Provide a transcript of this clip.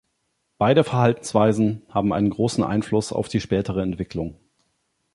Beide Verhaltensweisen haben einen großen Einfluss auf die spätere Entwicklung.